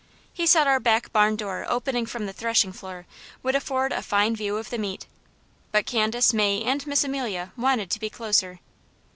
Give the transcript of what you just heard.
He said our back barn door opening from the threshing floor would afford a fine view of the meet, but Candace, May, and Miss Amelia wanted to be closer.